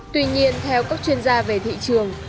tuy nhiên theo các chuyên gia về thị trường